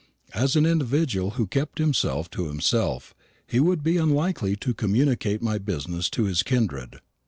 As an individual who kept himself to himself, he would be unlikely to communicate my business to his kindred.